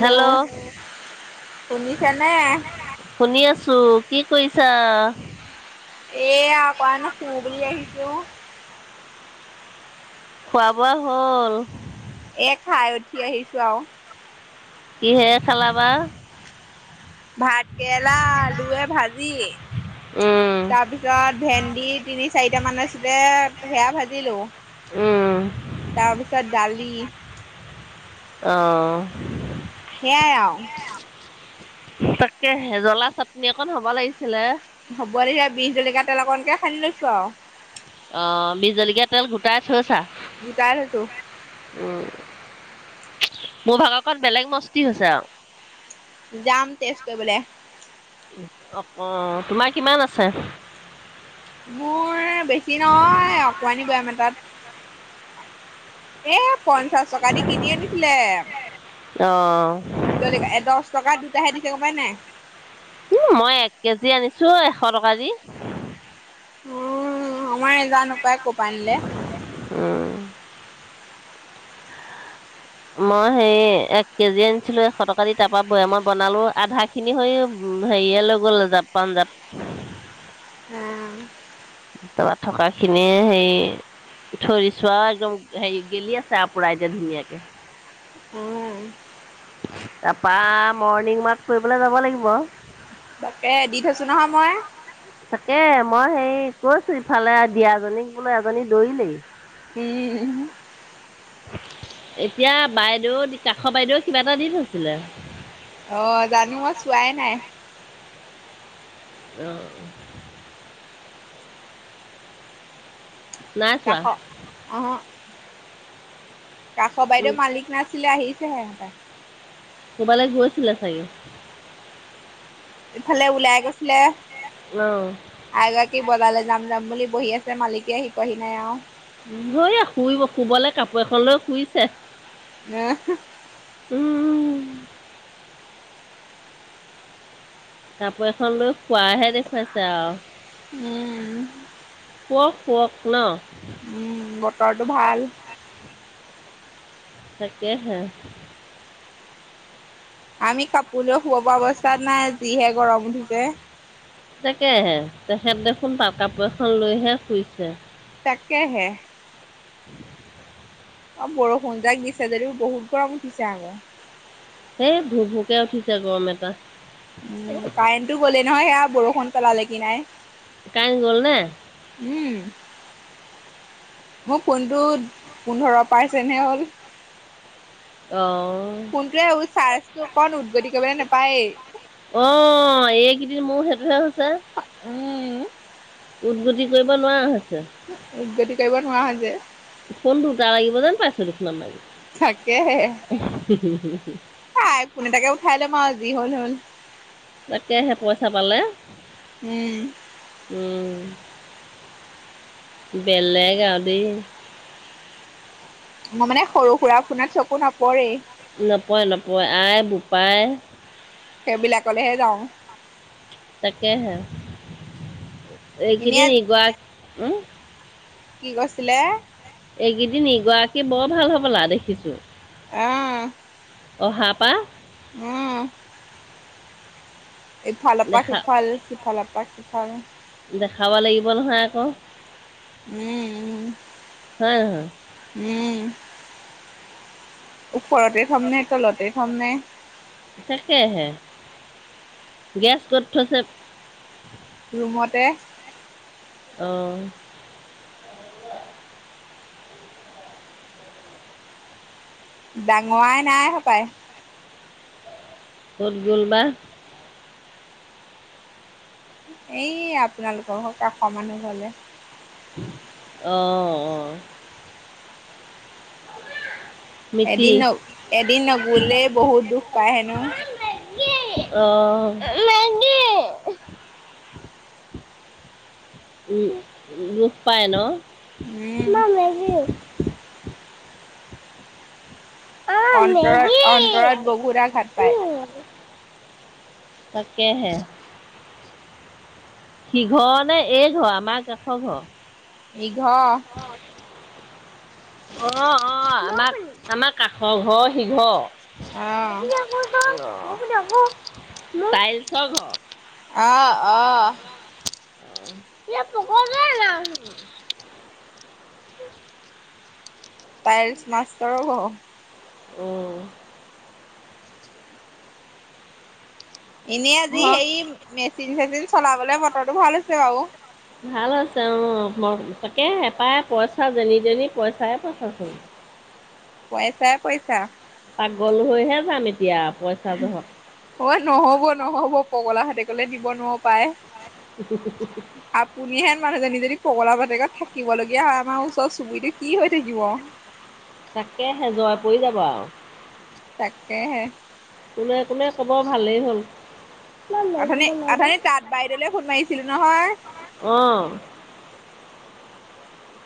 Hello শুনিছেনে? শুনি আছো। কি? কৈইছা। এয়া [unintelligible] আহিছো। খোৱা বোৱা হ'ল? এ খাই উঠি আহিছো আৰু। কিহে খালা বা? ভাত কেৰেলা আলুয়ে ভাজি উম তাৰপিছত ভেন্দি তিনি চাৰিটা মানৰ আছিলতে সেয়া ভাজিলো। উম তাৰপিছত দালি। অহ সেইয়াই আও তাকে হেজলা চাটনি অকন হ'ব লাগিছিলে। হ'ব দেতিয়া বিষ জলকীয়া তেল অকণকে খানি লৈছো আৰু। অ বি জলকীয়া তেল গোটাই থৈছা। গোটাই থৈছো উম মোৰ ভাগৰকণ বেলেগ মস্তি হৈছে আৰু। যাম তেচ কৰিবলে অ অ তোমাৰ কিমান আছে্। মোৰ বেছি নহয় অকমানি বয়াম এতাত। এ পঞ্চাশ টকা দি কিনি আনিছিলে অঁ জলকীয়া এ দহ টকা দুটা দুটা হে দিছে গম পাই নাই। উ মই এক কেজি আনিছো এশ টকা দি। অ মই নেজানো পায় কপা আনিলে। উম মই হেৰি এক কেজি আনিছিলো এশ টকা দি তাৰপা ব মই বনালো আধা খিনি হৈ হেৰিয়ে লৈ গ'ল জাপ পাঞ্জাপ। তাৰপৰা থকা খিনি হেৰি থৈ দিছো আও একদম হেৰি গেলি আছে আৰু পুৰা এতিয়া ধুনীয়াকে। উম, তাৰাপা মৰ্ণিং ৱাক কৰিবলৈ যাব লাগিব। তাকে দি থৈছো নহয় মই। তাকে মই হেই কৈছো ইফালে দিয়াজীক বোলেো এজনী দৌৰিলেই। নি [unintelligible] এতিয়া বাইদেউ কাষৰ বাইদেউ কিবা এটা দি থৈছিলে। অ জানো মই চোৱাই নাই। অহ নাই চোৱা কাষ উহো উম [inaudible] কাষৰ বাইদেউ মালিক নাছিলে আহিছেহে। অ কবালৈ গৈছিলে চাগে। ইফালে উওলাই গৈছিলে। অ'। এইগৰাকী বজালে যাম যাম বুলি। বহি আছে মালিকে পোৱাহি নাই আৰু। শুইব শুবলৈ কাপোৰ এখন লৈ শুইছে উম উম। কাপোৰ এখন লৈ শুয়াই হে দেখুৱাইছে আৰু উম শুৱক শুৱক নহ উ বতৰটো ভাল। তাকেহে আমি ক কোও শুৱাব পৰা অৱস্থাত নাই যিহে গৰম উঠিছে। তাকেহে তেখেত দেখোন তাল কাপোৰ এখন লৈহে শুইছে তাকে হে উম অ বৰষুণ যাক দিছে যদিও বহুত গৰম উঠিছে আক। এইেই ভু ভোকে উঠিছে গৰম এটা। উম কাৰেণ্টো গলেই নহয় সেয়া বৰষুণ পেলালে কি নাই কাৰেণ্ট গ'লনে উম মোৰ ফোনটো পোন্ধৰ পাৰ্চেন্ত হে হ'ল অ কোনটোৱে এই চাৰ্জটো অকণ উদ্গতি কৰিবলৈ নাপায়েই কিন্তু মই সেইটো হে হৈছে ছে উ উদগতি কৰিব নোৱাৰা হৈছে উদগতি কৰিব নোৱাৰা হয় যে ফোন দুটা লাগিব যেন পাইছ দেখমান মাগে তাকেহে আইফন এটাকে উঠাই লম অঁ যি হল হল তাকেহে পইচা পালে। উম উম বেলেগ আও দেই। মই মানে সৰু সুৰা ফোনাত চকু নপৰেই। নপৰে নপৰে আই বোপাই সেইবিলাকলৈহে যাওঁ কহে এনে এইকেইদিন উম কি কৰিছিলে এইকেইদিন ইগৰাকী বৰ ভাল হব লা দেখিছো। আহ অহা পা উম ইফালৰ পৰাক দেখা সিফাল সিফালৰ পাকিস্তান [unintelligible] দেখাব লাগিব নহয় আকৌ। উম হয় উম নহয় উম ওপৰতে খামনে তলতে খাম নে। তাকেহে গেছ কত থৈছে? ৰুমতে। অ। ডাঙৰাই নাই সপায়। কত গল বা? এই আপোনালোকৰ হওক কাষৰ মানুহ হলে। অ অ। মিতি এদিন ন এদিন নগলে বহুত দুখ পায় হেনো। অ মেগী উম, দুখ পাই ন। উম অন্তৰত, অন্তৰত বহুত আঘাত পায়। তাকেহে। সিঘৰ নে এইঘৰ আমাক কাষৰ ঘৰ ইঘৰ অ অ আমাৰ আমাৰ কাষৰ ঘৰ সিঘৰ অ। আহ টাইলচৰ ঘৰ অ অ। কি আ কম ল [inaudible] টাইলছ মাষ্টৰো হ উম এনেই আজি সেই মেচিন চেচিন চলাবলে মটৰটো ভাল হৈছে বাৰু। তেওঁ তাকে এপাই পইচা যেনি তেনি পইচাই পইচাচোন পইচা পইচা। পাক গল হৈহে যাম এতিয়া পইচা জহত অ নহব নহব পগলা হতেকলে দিব নোৱাৰ পায়, আপুনিহেন মানুহজনী যে যদি পগলা বতেকাত থাকিব লগগীয়া হয় আমাৰ ওচৰ চুবুৰটো কি হৈ থাকিব। তাকে সে জৰ পৰি যাবা আৰু। তাকেহে। কোনে কোনে ক'ব ভালেই হ'ল। কিবা ল'বলৈ অথনী ল'লে। অথনী তাত বাইদেউলে ফোন মাৰিছিলো নহয়। অঁ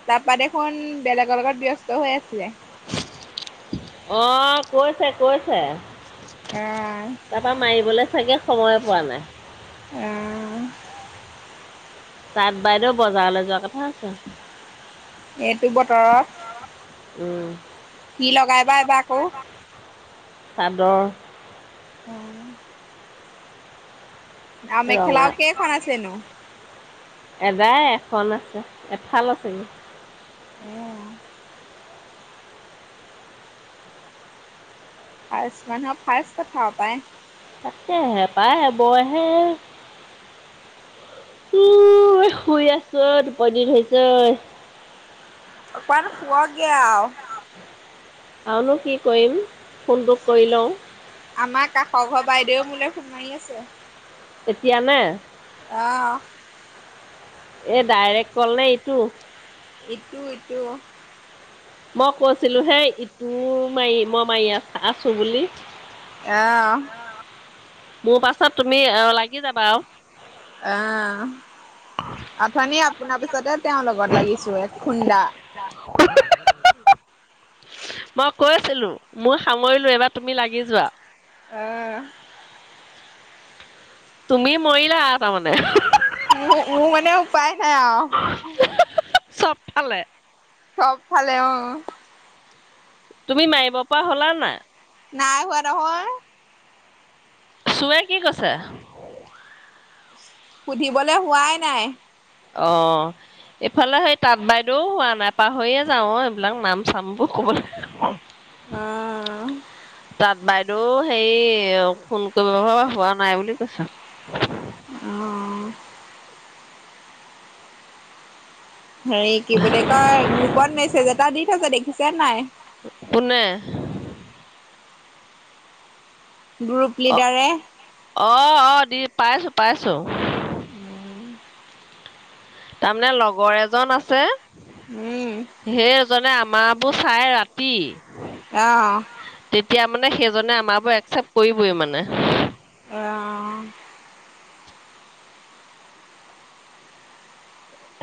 তাৰপৰা দেখোন বেলেগৰ লগত ব্যস্ত হৈ আছিলে। আহ কৈছে কৈছে। উম। তাৰপৰা মাৰিবলৈ চাগে সময়ে পোৱা নাই। উম। তাত বাইদেউ বজাৰলৈ যোৱা কথা আছে। এইটো বতৰত। উম। লগাই কি বা লগ। এইবাৰ আকৌ চাদৰ। উম। আৰু ৰঙা মেখেলাও কেইখন আছেনো? এদাই এখন আছে এফাল আছেগে। উম। ফাৰ্ষ্ট মানে ফাৰ্ষ্ট খাওঁ পায়। তাকে হেপাই বই হে উ শুই আছো তুপনি ধৰিছে আৰু, কাৰান শোৱা গে। আৰু নো কি কৰিম ফোনট কৰি লওঁ। আমাৰ কাষৰ ঘৰ বাইদেউও মোলৈ ফোন মাৰি আছে। এতিয়ানে। আহ এ ডাইৰেক্ট কল নে ইটো। ইটো ইটো। মই কৈছিলো হেই ইটো মাৰি মই মাৰি আছ আছো বুলি। অঁ। মোৰ পাছত তুমি আহ লাগি যাবা আৰু। অঁ, আথনি আপোনাৰ পিছত। পিছতে তেওঁৰ লগত লাগিছো এক খুন্দা। মই কৈ আছিলো মই সামৰিলো এইবাৰ তুমি লাগি যোৱা। উম। তুমি মৰিলা আহ তাৰমানমানে। ম মোৰ মানে উপ উপায়। আই। চফালে। চবফালে অঁ। তুমি মাৰিব পৰা হ'লা নাই? নাই হোৱা নহয়। চুৱে কি কৈছে। সুধিবলৈ হোৱাই নাই। অ এইফালে সেই তাঁত বাইদেউও হোৱা নাই পাহৰিয়ে যাও অ এইবিলাক নাম চামবোৰ কব লাগে। অঁ। বাইদেউ হে ফোন কৰিব পৰা হোৱা নাই বুলি কৈছে। অঁ। হেৰি কি বুলি কয় গ্ৰুপত মেছেজ এটা দি থৈছে দেখিছে নাই। কোনে গ্ৰুপ অঁ লিডাৰে অঁ অঁ দি। পাইছোঁ পাইছোঁ উম। তাৰমানে লগৰ এজন আছে । সেই এজনে আমাৰবোৰ চাই ৰাতি। আহ এতিয়া মানে সেইজনে আমাৰবোৰ একচেপ্ট কৰিবই মানে। আহ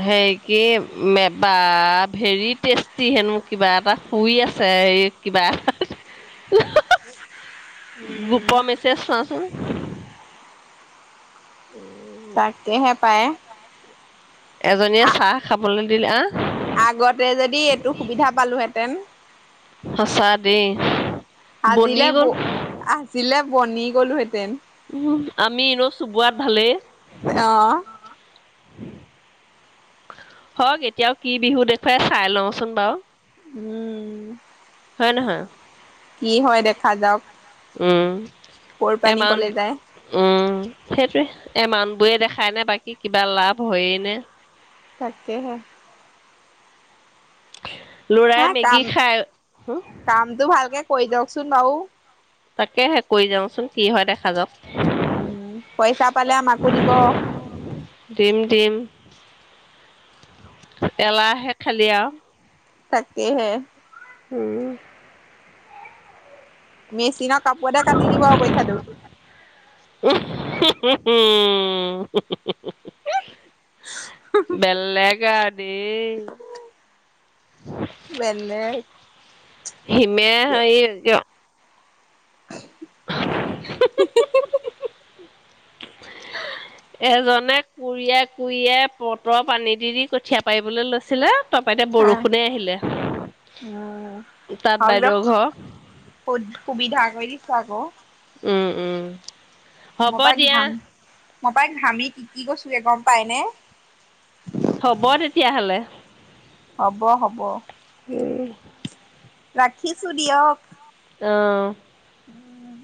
হে কি মে- বা- ভেৰি টেষ্টি হেনো মোৰ কিবা এটা শুই আছে, এই কিবা । হাঁ- হাঁ- হাঁ-। উম গ্ৰুপৰ মেছেজ চোৱাচোন। তাকেহে পায়। এজনীয়ে চাহ খাবলৈ দিলে আ আগতে যদি এইটো সুবিধা পালোহেঁতেন সঁচা দেই। বনি আজিলে গ'ল ব- আজিলে বনি গ'লোহেতেন। উম, আমি এনো চুবোৱাত ভালেই। অ'। হওঁক এতিয়াও কি বিহু দেখুৱায়, চাই লওঁচোন বাৰু। উম। হয় নহয়? কি হয় দেখা যাওক উম । কৰ পানী কলে এমান- যায় উম সেইটোৱে। এ মানুহবোৰে দেখায় নে বাকী কিবা লাভ হয়ে নে? তাকেহে। হা ল'ৰাই মেগী কাম খায়, হ-? কৈ দিয়কচোন আৰু। তাকেহে কৰি যাওঁচোন । কি হয় দেখা যাওঁক। উম, পইচা পালে আমাকো দিব। দিম দিম এলাহে খালি আৰু। তাকেহে। উম। মেচিনক কাপোৰতে কাটি দিব পইচাটো। হঁ-হঁ-হঁ। বেলেগ আৰু দেই । বেলেগ হিমে হ- কিয় হি- হি- হি - হি। [inaudible] এজনে কুৰিয়াই কুৰিয়াই পটৰ পানী দি - দি কঠীয়া পাৰিবলৈ লৈছিলে। তপাইতে বৰষুণে আহিলে উম । তাত হওক দিয়ক বাইদেউৰ ঘৰ। ছা আক'। উম - উম । হ'ব দিয়া। মই পাই ঘামি টিটি গৈছোঁ গে, গম পাইনে? হ'ব তেতিয়াহলে। হ'ব - হ'ব। উম। ৰাখিছোঁ দিয়ক। অ'। উম।